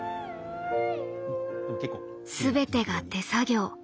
すべてが手作業。